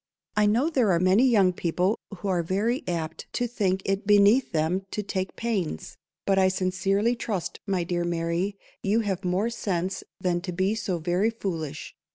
_ "I know there are many young people who are very _apt _to think it beneath them to take pains;" but I sincerely trust, my dear Mary, you have more sense than to be so very _foolish.